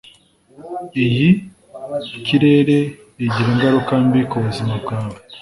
Iyi kirere igira ingaruka mbi kubuzima bwawe.